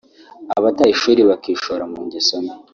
abataye ishuri bakishora mu ngeso mbi